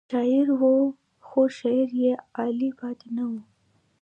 شاعر و خو شعر یې اعلی پای نه و.